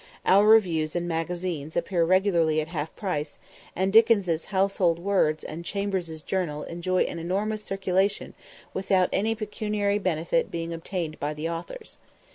Our reviews and magazines appear regularly at half price, and Dickens' 'Household Words' and 'Chambers' Journal' enjoy an enormous circulation without any pecuniary benefit being obtained by the authors.